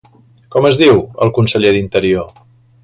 Com es diu el conseller d'Interior?